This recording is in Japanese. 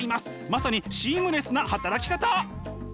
まさにシームレスな働き方！